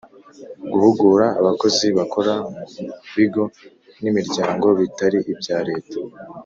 guhugura abakozi bakora mu bigo n’imiryango bitari ibya leta;